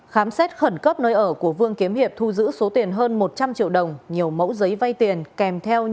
khám xét khẩn cấp nơi ở của vương kiếm hiệp thu giữ số tiền hơn